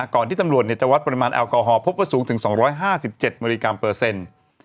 ก่อนที่ตำรวจจะวัดปริมาณแอลกอฮอลพบว่าสูงถึง๒๕๗มิลลิกรัมเปอร์เซ็นต์